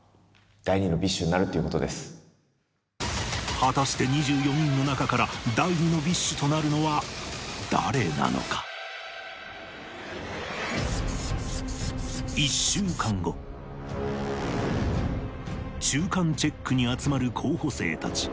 果たして２４人の中から第２のＢｉＳＨとなるのは誰なのかに集まる候補生たち